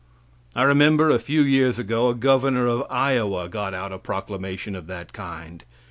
I remember a few years ago a governor of Iowa got out a proclamation of that kind.